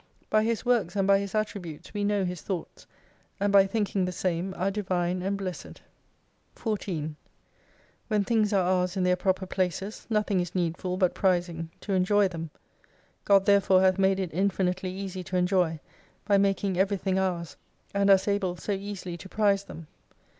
By His works and by His attributes we know His Thoughts : and by think ing the same, are Divine and Blessed. 9 14 When things are ours in their proper places, nothing is needful but prizing to enjoy them. God therefore hath made it infinitely easy to enjoy, by making every thing ours, and us able so easily to prize them.